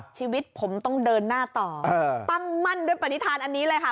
ชีวิตผมต้องเดินหน้าต่อตั้งมั่นด้วยปฏิฐานอันนี้เลยค่ะ